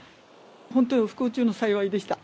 本当、不幸中の幸いでした。